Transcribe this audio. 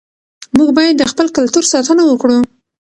موږ باید د خپل کلتور ساتنه وکړو.